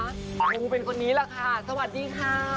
ปูเป็นคนนี้แหละค่ะสวัสดีค่ะ